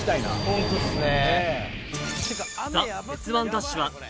ホントっすね。